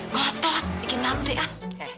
ngotot bikin maru deh ah